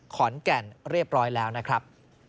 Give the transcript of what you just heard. ขอนแก่นเรียบร้อยแล้วนะครับ